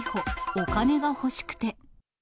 お金が欲しくて。